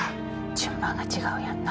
順番が違うやんな。